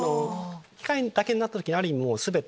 機械だけになった時にある意味全て。